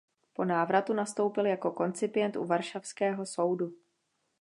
Po návratu nastoupil jako koncipient u varšavského soudu.